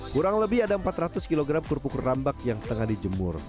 kurang lebih ada empat ratus kg kerupuk rambak yang tengah dijemur